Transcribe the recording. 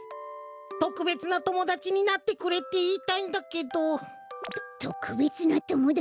「とくべつなともだちになってくれ」っていいたいんだけど。ととくべつなともだち。